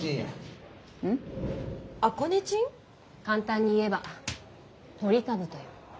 簡単に言えばトリカブトよ。